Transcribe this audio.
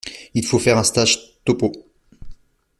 Il faut faire un stage." Topeau .